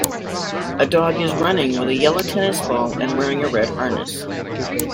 A dog is running with a yellow tennis ball and wearing a red harness.